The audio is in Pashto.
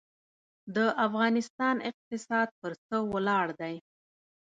د افغانستان اقتصاد پر څه ولاړ دی؟